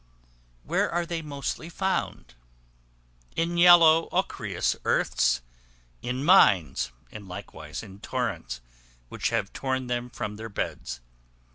Where are they mostly found? In yellow ochreous earths; in mines; and likewise in torrents, which have torn them from their beds.